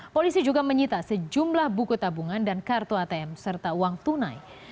polisi juga menyita sejumlah buku tabungan dan kartu atm serta uang tunai